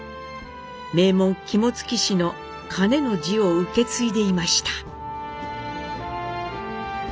名門・肝付氏の「兼」の字を受け継いでいました。